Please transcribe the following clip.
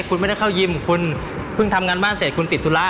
คุณไม่ได้เข้ายิมคุณเพิ่งทำงานบ้านเสร็จคุณปิดธุระ